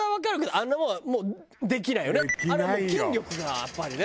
あれはもう筋力がやっぱりね。